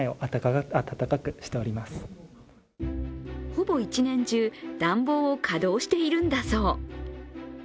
ほぼ一年中、暖房を稼働しているんだそう。